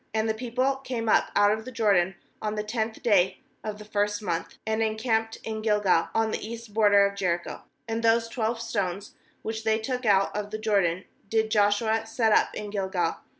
19And the people came up out of the Jordan on the tenth day of the first month, and encamped in Gilgal, on the east border of Jericho. 20And those twelve stones, which they took out of the Jordan, did Joshua set up in Gilgal.